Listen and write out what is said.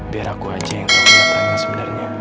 biar aku aja yang kelihatan yang sebenarnya